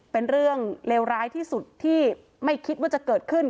เป็นเรื่องเลวร้ายที่สุดที่ไม่คิดว่าจะเกิดขึ้น